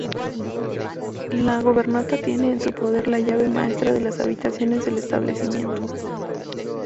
La gobernanta tiene en su poder la llave maestra de las habitaciones del establecimiento.